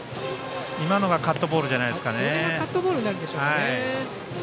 今のがカットボールじゃないでしょうか。